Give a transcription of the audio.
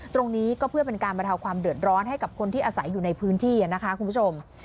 ตรงนี้ก็เพื่อเป็นการบรรเทาความเดือดร้อนให้กับคนที่อาศัยอยู่ในพื้นที่นะคะคุณผู้ชม